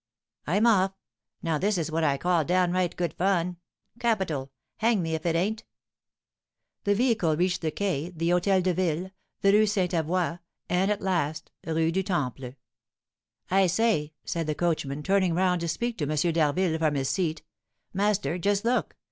"I'm off! Now this is what I call downright good fun. Capital; hang me if it ain't!" The vehicle reached the Quais, the Hôtel de Ville, the Rue St. Avoye, and, at last, Rue du Temple. "I say," said the coachman, turning round to speak to M. d'Harville from his seat, "master, just look.